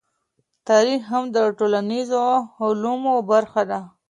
تاريخ هم د ټولنيزو علومو برخه ده.